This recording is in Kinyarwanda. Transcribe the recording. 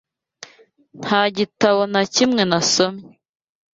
Nta gitabo na kimwe nasomye.